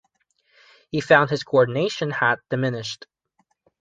He found his coordination had diminished.